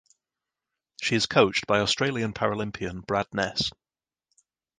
She is coached by Australian Paralympian Brad Ness.